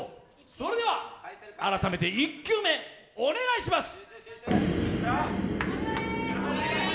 それでは改めて１球目、お願いします。